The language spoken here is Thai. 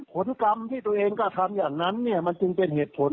ผลกรรมที่ตัวเองก็ทำอย่างนั้นเนี่ยมันจึงเป็นเหตุผล